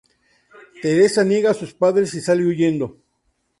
Teresa niega a sus padres y sale huyendo.